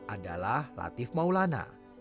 adalah latif maulana